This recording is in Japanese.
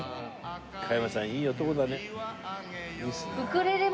加山さんいい男だね。